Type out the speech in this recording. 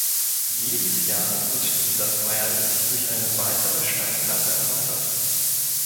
Jedes Jahr wird dieser feierlich durch eine weitere Steinplatte erweitert.